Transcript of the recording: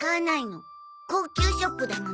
高級ショップだもの。